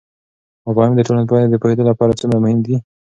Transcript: مفاهیم د ټولنپوهنې د پوهیدو لپاره څومره مهم دي؟